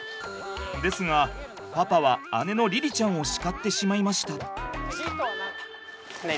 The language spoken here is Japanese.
ですがパパは姉の凛々ちゃんを叱ってしまいました。